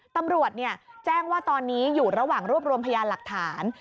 ตำรวจแจ้งว่าตอนนี้อยู่ระหว่างรวบรวมพยานหลักฐาน